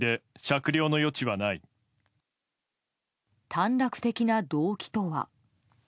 短絡的な動機とは。